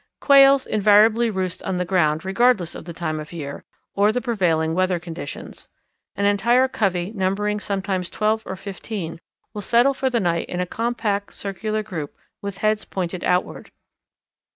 Quails invariably roost on the ground regardless of the time of year, or the prevailing weather conditions. An entire covey numbering sometimes twelve or fifteen will settle for the night in a compact circular group with heads pointed outward.